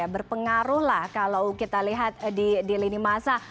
berpengaruh lah kalau kita lihat di lini masa